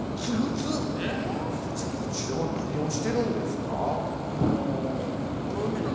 すいませんこちらは何をしてるんですか？